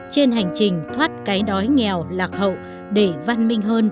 trên hành trình thoát cái đói nghèo lạc hậu để văn minh hơn khá giả hơn